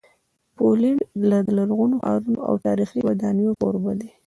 پولینډ د لرغونو ښارونو او تاریخي ودانیو کوربه دی.